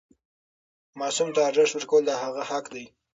ماسوم ته ارزښت ورکول د هغه حق دی.